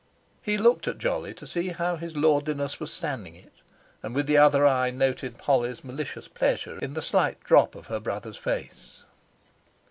'" He looked at Jolly to see how his lordliness was standing it, and with the other eye noted Holly's malicious pleasure in the slight drop of her brother's face.